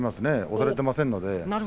押されていませんので。